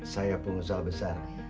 saya pengusaha besar